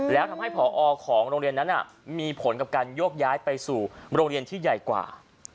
แล้วทำให้ผอของโรงเรียนนั้นมีผลกับการโยกย้ายไปสู่โรงเรียนที่ใหญ่กว่า